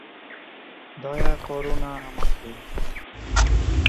দয়া করো না আমাকে।